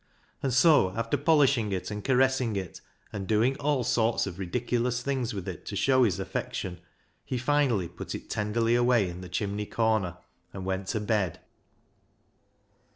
And so, after polishing it and caressing it and doing all sorts of ridiculous things with it to show his affection, he finally put it tenderly away in the chimney corner, and went to bed.